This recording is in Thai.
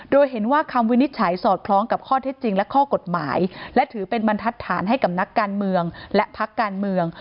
โดยเห็นว่าคำวินิจฉัยสอดคล้องกับข้อเท็จจริงและข้อกฎหมายและถือเป็นบรรทัศน์ให้กับนักการเมืองและพักการเมือง